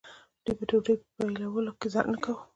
دوی به د ډوډۍ په پیلولو کې ځنډ نه کاوه.